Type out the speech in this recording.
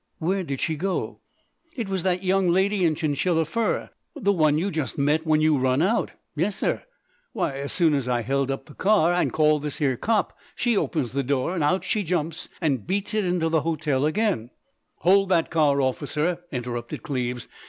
Where did she go?" "It was that young lady in chinchilla fur. The one you just met when you run out. Yessir! Why, as soon as I held up the car and called this here cop, she opens the door and out she jumps and beats it into the hotel again——" "Hold that car, Officer!" interrupted Cleves.